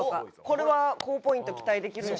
これは高ポイント期待できるんじゃ。